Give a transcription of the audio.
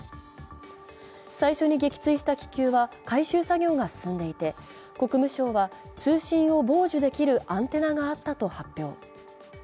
最初に撃墜した気球は回収作業が進んでいて国務省は通信を傍受できるアンテナがあったと発表。